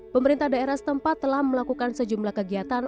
pemerintah daerah setempat telah melakukan sejumlah kegiatan